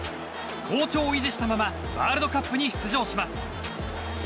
好調を維持したままワールドカップに出場します。